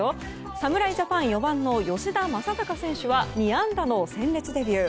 侍ジャパン、４番の吉田正尚選手は２安打の鮮烈デビュー。